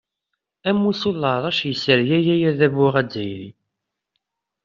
Amussu n leɛrac yessergagi adabu azzayri.